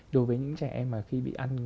đối với những trẻ em mà khi bị ăn